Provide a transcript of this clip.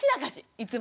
いつも。